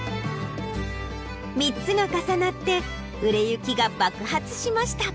３つが重なって売れ行きが爆発しました。